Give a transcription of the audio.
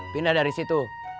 pindah dari situ